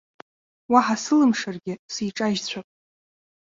Уаҳа сылымшаргьы, сиҿажьцәап.